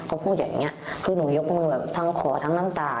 ก็พูดอย่างนี้คือหนูยกมือแบบทั้งขอทั้งน้ำตา